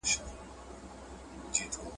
د چا ژوند ته خطر مه پېښوئ.